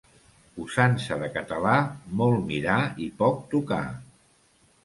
Usança de català: molt mirar i poc tocar.